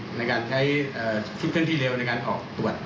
อันดับนี้มันต้องเสร็จที่จะเพิ่มความเค้ม